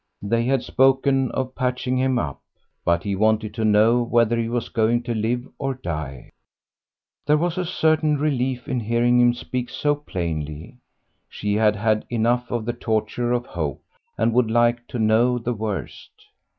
They had spoken of patching up; but he wanted to know whether he was going to live or die. There was a certain relief in hearing him speak so plainly; she had had enough of the torture of hope, and would like to know the worst.